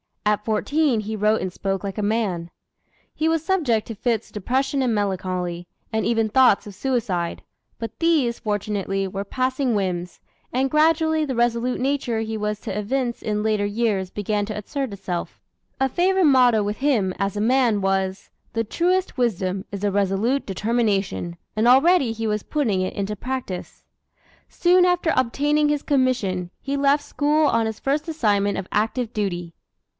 At fourteen he wrote and spoke like a man. He was subject to fits of depression and melancholy, and even thoughts of suicide but these, fortunately, were passing whims, and gradually the resolute nature he was to evince in later years began to assert itself. A favorite motto with him, as a man, was: "The truest wisdom is a resolute determination," and already he was putting it into practice. Soon after obtaining his commission, he left school on his first assignment of active duty.